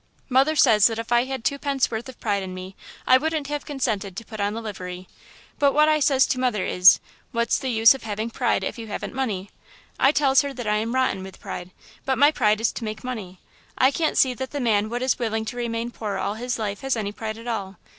"Mother says that if I had twopence worth of pride in me I wouldn't have consented to put on the livery; but what I says to mother is, 'What's the use of having pride if you haven't money?' I tells her that I am rotten with pride, but my pride is to make money. I can't see that the man what is willing to remain poor all his life has any pride at all....